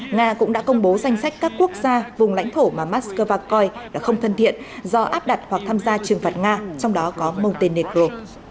nga cũng đã công bố danh sách các quốc gia vùng lãnh thổ mà moscow coi là không thân thiện do áp đặt hoặc tham gia trừng phạt nga trong đó có montinea